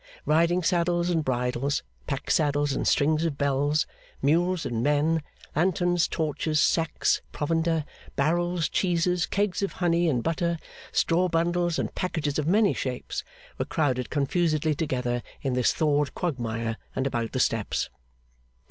Riding saddles and bridles, pack saddles and strings of bells, mules and men, lanterns, torches, sacks, provender, barrels, cheeses, kegs of honey and butter, straw bundles and packages of many shapes, were crowded confusedly together in this thawed quagmire and about the steps.